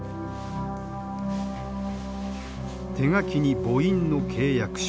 手書きに拇印の契約書。